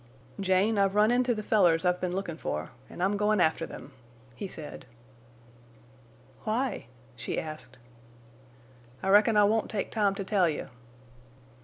"Jane, I've run into the fellers I've been lookin' for, an' I'm goin' after them," he said. "Why?" she asked. "I reckon I won't take time to tell you."